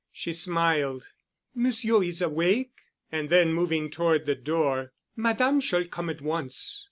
She smiled. "Monsieur is awake?" And then, moving toward the door, "Madame shall come at once."